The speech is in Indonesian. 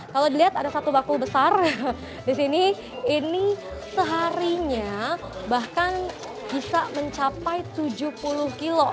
kalau dilihat ada satu bakul besar di sini ini seharinya bahkan bisa mencapai tujuh puluh kilo